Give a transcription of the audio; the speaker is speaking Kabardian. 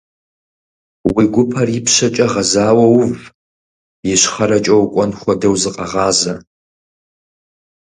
Уи гупэр ипщэкӀэ гъэзауэ ув, ищхъэрэкӀэ укӀуэн хуэдэу зыкъэгъазэ.